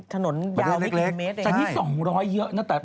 ถนนยาวไม่กี่นิมเมตรเนี่ยใช่ประเทศ๒๐๐เยอะนะแต่